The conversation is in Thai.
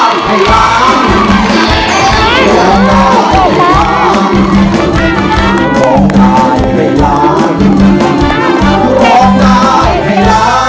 ยียยยินดี